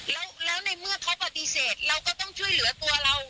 แล้วในเมื่อเขาปฏิเสธเราก็ต้องช่วยเหลือตัวเรา